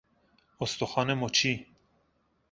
استخوان مچی